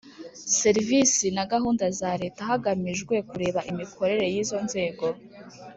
serivisi na gahunda za leta hagamijwe kureba imikorere y’izo nzego